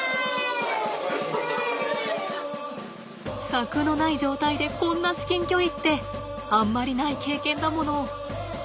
柵のない状態でこんな至近距離ってあんまりない経験だもの。